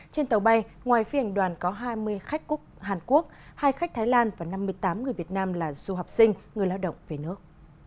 trên tàu bay ngoài phi hành đoàn có hai mươi khách hàn quốc hai khách thái lan và năm mươi tám người việt nam là du học sinh người lao động về nước